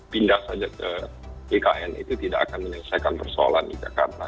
pindah saja ke ikn itu tidak akan menyelesaikan persoalan di jakarta